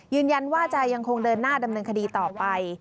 ยืนยันว่าจะยังคงเดินหน้าดำเนินคดีต่อไป